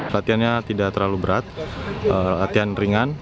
latihannya tidak terlalu berat latihan ringan